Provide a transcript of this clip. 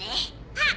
あっ！